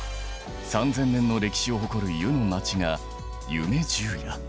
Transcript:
３，０００年の歴史を誇る湯の町が「夢十夜」